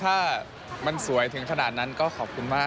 ถ้ามันสวยถึงขนาดนั้นก็ขอบคุณมาก